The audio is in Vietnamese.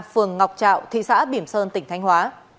phường ngọc trạo thị xã bỉm sơn tỉnh thanh hóa